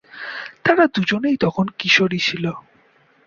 তারা দুজনেই তখন কিশোরী ছিল।